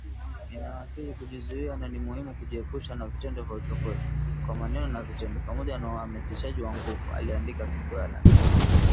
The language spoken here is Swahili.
“Ninawasihi kujizuia na ni muhimu kujiepusha na vitendo vya uchokozi, kwa maneno na vitendo, pamoja na uhamasishaji wa nguvu” aliandika siku ya Alhamisi.